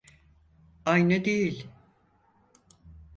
Aynı değil.